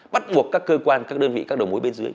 bắt buộc các cơ quan các đơn vị các đầu mối bên dưới